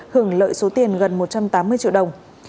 hưởng lợi số tiền gần một trăm tám mươi triệu đồng